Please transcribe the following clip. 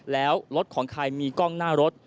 แล้วรถของใครมีกล้องหน้ารถ